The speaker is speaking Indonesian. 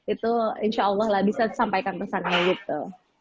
itu insya allah lah bisa disampaikan pesannya gitu